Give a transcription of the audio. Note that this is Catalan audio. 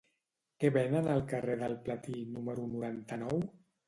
Què venen al carrer del Platí número noranta-nou?